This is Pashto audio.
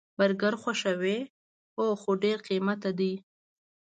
برګر خوښوئ؟ هو، خو ډیر قیمته ده